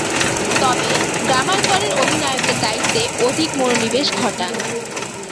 তবে, গ্ল্যামারগনের অধিনায়কের দায়িত্বে অধিক মনোনিবেশ ঘটান।